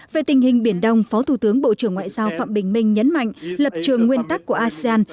về tình hình biển đông phó thủ tướng bộ trưởng ngoại giao phạm bình minh nhấn mạnh lập trường nguyên tắc của asean